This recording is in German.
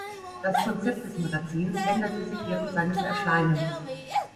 Das Konzept des Magazins änderte sich während seines Erscheinens.